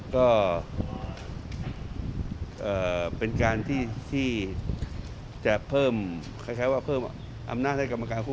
ก็เป็นการที่จะเพิ่มคล้ายว่าเพิ่มอำนาจให้กรรมการคน